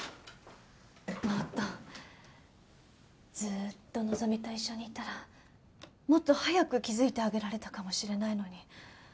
もっとずーっと希と一緒にいたらもっと早く気づいてあげられたかもしれないのに。